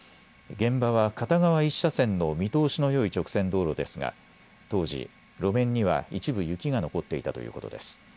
現場は片側１車線の見通しのよい直線道路ですが当時、路面には一部雪が残っていたということです。